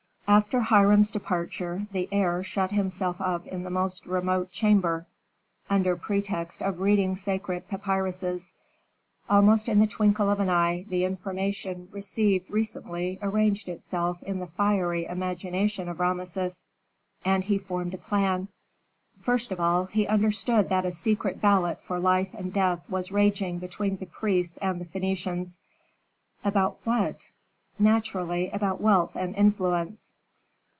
After Hiram's departure the heir shut himself up in the most remote chamber under pretext of reading sacred papyruses. Almost in the twinkle of an eye the information received recently arranged itself in the fiery imagination of Rameses, and he formed a plan. First of all, he understood that a secret battle for life and death was raging between the priests and the Phœnicians. About what? Naturally about wealth and influence.